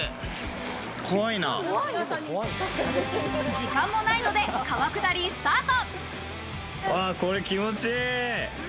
時間もないので川下りスタート。